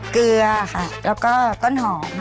เกลือค่ะแล้วก็ต้นหอม